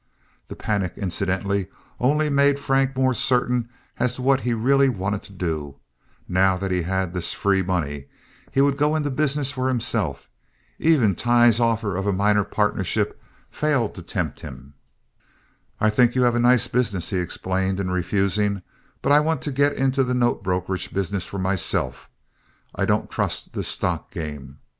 This panic, incidentally, only made Frank more certain as to what he really wanted to do—now that he had this free money, he would go into business for himself. Even Tighe's offer of a minor partnership failed to tempt him. "I think you have a nice business," he explained, in refusing, "but I want to get in the note brokerage business for myself. I don't trust this stock game.